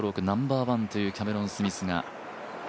ナンバーワンというキャメロン・スミスが。